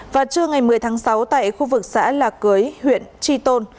và trưa ngày một mươi tháng sáu tại khu vực xã lạc cưới huyện tri tôn